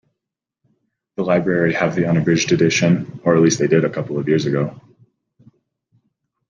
The library have the unabridged edition, or at least they did a couple of years ago.